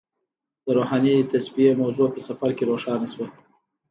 د روحاني تصفیې موضوع په سفر کې روښانه شوه.